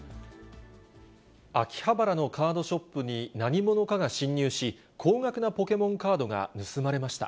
秋葉原のカードショップに何者かが侵入し、高額なポケモンカードが盗まれました。